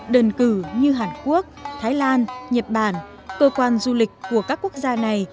đơn cử như hàn quốc thái lan nhật bản cơ quan du lịch của các quốc gia này